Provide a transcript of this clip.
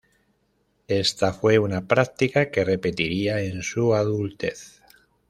Esta fue una práctica que repetiría en su adultez.